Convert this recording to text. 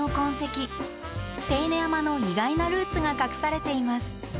手稲山の意外なルーツが隠されています。